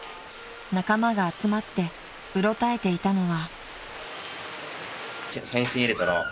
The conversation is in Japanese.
［仲間が集まってうろたえていたのは］